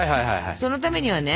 そのためにはね